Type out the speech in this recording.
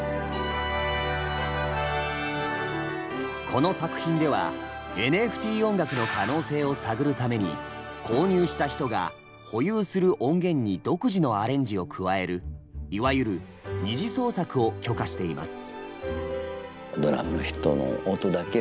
この作品ではＮＦＴ音楽の可能性を探るために購入した人が保有する音源に独自のアレンジを加えるいわゆる「二次創作」を許可しています。